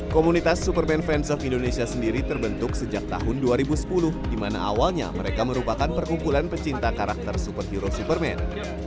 komunitas superman fans of indonesia sendiri terbentuk sejak tahun dua ribu sepuluh di mana awalnya mereka merupakan perkumpulan pecinta karakter superhero superman